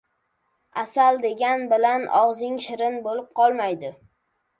• “Asal” degan bilan og‘zing shirin bo‘lib qolmaydi.